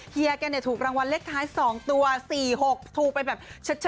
เฮียแกเนี่ยถูกรางวัลเล็กท้ายสองตัวสี่หกถูกไปแบบชัดจ๊ะ